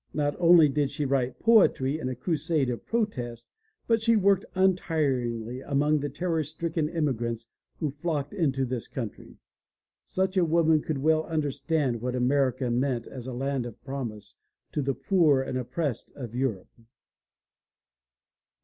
Not only did she write poetry in a crusade of protest but she worked untiringly among the terror stricken immigrants who flocked into this country. Such a woman could well understand what America meant as a land of promise to the poor and oppressed of Europe.